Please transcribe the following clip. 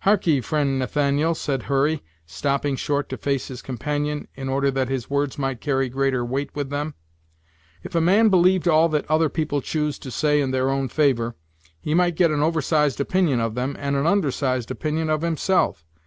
"Harkee, fri'nd Nathaniel," said Hurry, stopping short to face his companion, in order that his words might carry greater weight with them, "if a man believed all that other people choose to say in their own favor, he might get an oversized opinion of them, and an undersized opinion of himself.